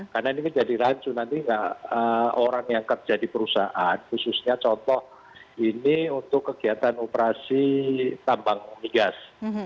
karena ini kan jadi rancu nanti orang yang kerja di perusahaan khususnya contoh ini untuk kegiatan operasi tambang unigas